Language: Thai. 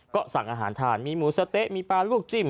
ก็สั่งอาหารทานมีหมูสะเต๊ะมีปลาลวกจิ้ม